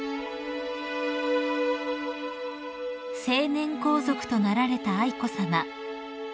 ［成年皇族となられた愛子さま］